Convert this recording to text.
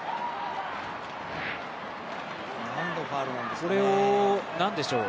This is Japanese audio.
何のファウルなんですかね。